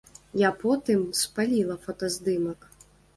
Я потым спаліла фотаздымак.